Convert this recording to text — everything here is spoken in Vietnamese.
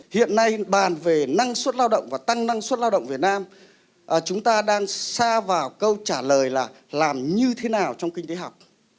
hiện nay bàn về năng suất lao động và tăng năng suất lao động việt nam chúng ta đang xa vào câu trả lời là làm như thế nào trong kinh tế học